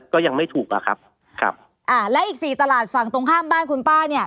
ก็ยังไม่ถูกอ่ะครับครับอ่าและอีกสี่ตลาดฝั่งตรงข้ามบ้านคุณป้าเนี่ย